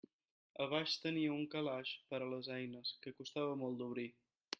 A baix tenia un calaix per a les eines, que costava molt d'obrir.